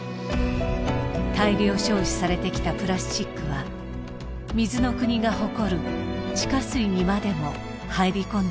大量消費されてきたプラスチックは水の国が誇る地下水にまでも入り込んでいました。